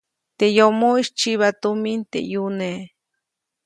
Teʼ yomoʼis tsyiba tumin teʼ ʼyune.